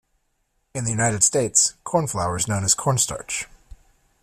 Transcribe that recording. In the United States, cornflour is known as cornstarch